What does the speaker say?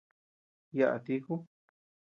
Yaʼa tíku.